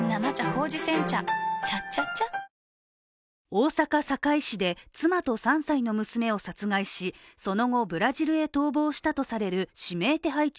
大阪・堺市で妻と３歳の娘を殺害しその後ブラジルへ逃亡したとされる男。